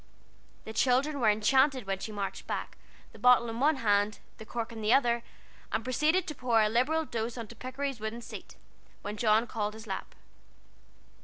The children were enchanted when she marched back, the bottle in one hand, the cork in the other, and proceeded to pour a liberal dose on to Pikery's wooden seat, which John called his lap.